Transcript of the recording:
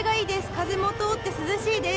風も通って涼しいです。